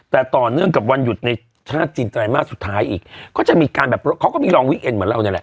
แต่ต่อเนื่องกับวันหยุดในชาติจีนไตรมาสสุดท้ายอีกก็จะมีการแบบเขาก็มีรองวิกเอ็นเหมือนเรานี่แหละ